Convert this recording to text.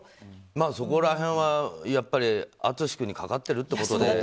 そこら辺は、やっぱり淳君にかかっていると。